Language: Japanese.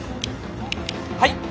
はい！